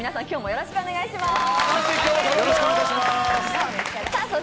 よろしくお願いします。